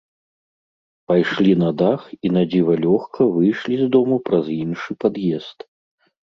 Пайшлі на дах і надзіва лёгка выйшлі з дому праз іншы пад'езд.